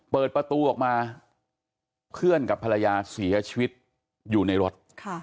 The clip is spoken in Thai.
เปิดประตูออกมาเพื่อนกับภรรยาเสียชีวิตอยู่ในรถ